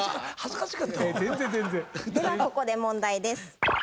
ではここで問題です。